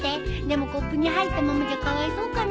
でもコップに入ったままじゃかわいそうかな。